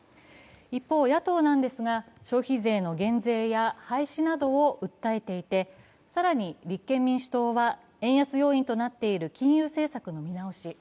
一方、野党なんですが消費税の減税や廃止などを訴えていて、更に立憲民主党は円安要因となっている金融政策の見直し。